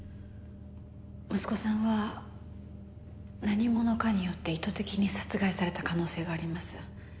息子さんは何者かによって意図的に殺害された可能性があります。